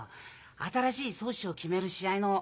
新しい宗師を決める試合の。